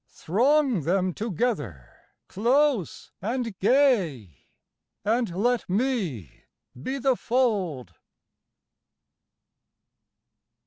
Throng them together, close and gay, And let me be the fold!